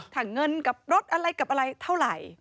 ถ้าเงินกับรถอะไรกับอะไรเท่าไหร่